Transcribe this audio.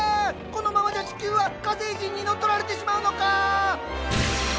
このままじゃ地球は火星人に乗っ取られてしまうのか！